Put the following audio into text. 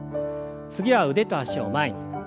次は腕と脚を前に。